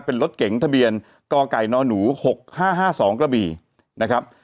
เป็นรถเก๋งทะเบียนกไก่นหนูหกห้าห้าสองกระบีนะครับ